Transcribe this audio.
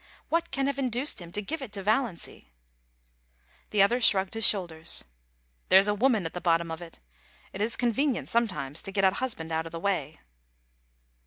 What can have induced him to give it to Valiancy ? The other shrugged his shoulders. * There's a woman at the bottom of it It is convenient sometimes to get a husband out of the way.'